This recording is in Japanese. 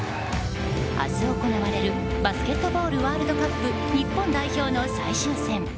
明日行われるバスケットボールワールドカップ日本代表の最終戦。